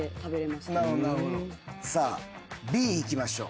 さあＢいきましょう。